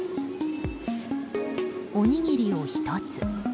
おにぎりを１つ。